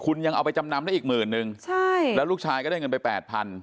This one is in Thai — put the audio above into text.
คุณยังเอาไปจำนำได้อีกหมื่นนึงใช่แล้วลูกชายก็ได้เงินไปแปดพัน